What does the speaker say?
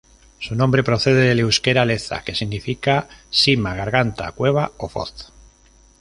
Su nombre procede del euskera "Leza" que significa sima, garganta, cueva o foz.